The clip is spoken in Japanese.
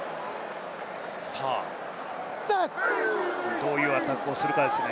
どういうアタックをするかですね。